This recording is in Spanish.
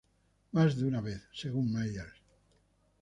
Más de una vez"" según Meyers.